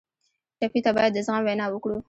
ټپي ته باید د زغم وینا وکړو.